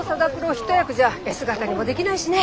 一役じゃあ絵姿にもできないしね。